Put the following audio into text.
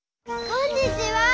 こんにちは！